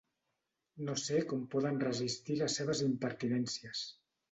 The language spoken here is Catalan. No sé com poden resistir les seves impertinències.